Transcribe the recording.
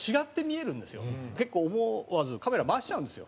結構思わずカメラ回しちゃうんですよ。